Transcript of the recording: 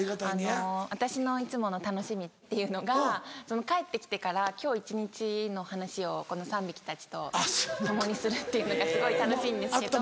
私のいつもの楽しみっていうのが帰って来てから今日一日の話をこの３匹たちと共にするっていうのがすごい楽しいんですけど。